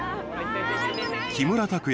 木村拓哉